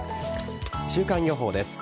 週間予報です。